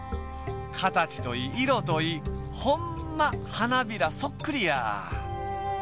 かたちといいいろといいほんまはなびらそっくりや！